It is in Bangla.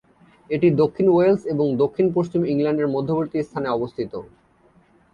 এটি দক্ষিণ ওয়েলস এবং দক্ষিণ-পশ্চিম ইংল্যান্ডের মধ্যবর্তী স্থানে অবস্থিত।